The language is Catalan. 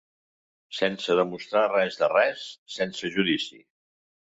Sense demostrar res de res, sense judici.